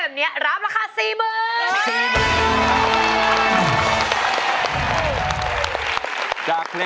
เพลงที่๓มูลค่า๔๐๐๐๐บาท